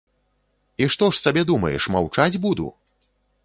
І што ж сабе думаеш, маўчаць буду?